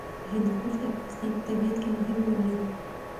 هندوکش د افغانستان په طبیعت کې مهم رول لري.